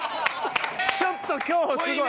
ちょっと今日すごい。